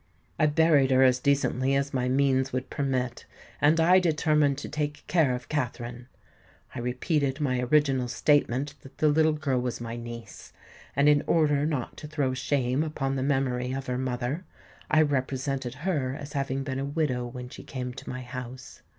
I buried her as decently as my means would permit; and I determined to take care of Katherine. I repeated my original statement that the little girl was my niece; and, in order not to throw shame upon the memory of her mother, I represented her as having been a widow when she came to my house.